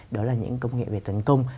đó là những công nghệ về tấn công